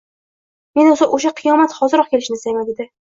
Men esa oʻsha qiyomat hoziroq kelishini istayman dedi.